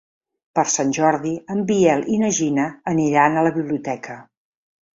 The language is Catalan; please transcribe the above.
Per Sant Jordi en Biel i na Gina aniran a la biblioteca.